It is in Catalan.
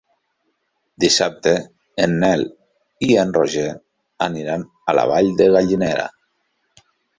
Dissabte en Nel i en Roger aniran a la Vall de Gallinera.